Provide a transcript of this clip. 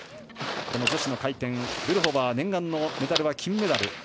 女子の回転、ブルホバー念願のメダルは金メダル。